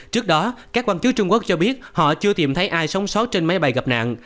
trước đó các quan chức trung quốc cho biết họ chưa tìm thấy ai sống sáu trên máy bay gặp nạn